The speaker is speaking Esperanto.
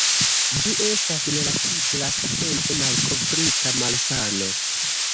Ĝi estas relative lastatempe malkovrita malsano.